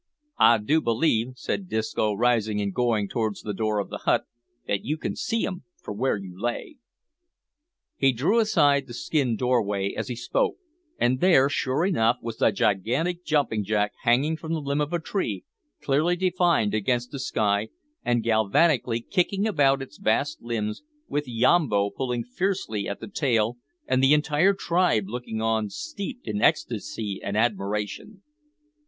"I do believe," said Disco, rising and going towards the door of the hut "that you can see 'em from where you lay." He drew aside the skin doorway as he spoke, and there, sure enough, was the gigantic jumping jack hanging from the limb of a tree, clearly defined against the sky, and galvanically kicking about its vast limbs, with Yambo pulling fiercely at the tail, and the entire tribe looking on steeped in ecstasy and admiration.